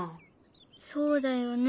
そうだよね。